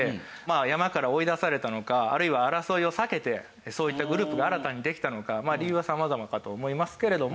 山から追い出されたのかあるいは争いを避けてそういったグループが新たにできたのか理由は様々かと思いますけれども。